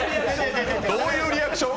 どういうリアクション！？